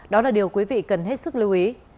đó là điều quý vị cần hết sức lưu ý